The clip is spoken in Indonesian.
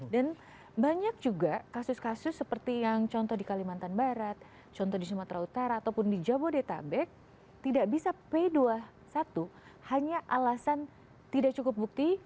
dan banyak juga kasus kasus seperti yang contoh di kalimantan barat contoh di sumatera utara ataupun di jabodetabek tidak bisa p dua puluh satu hanya alasan tidak cukup bukti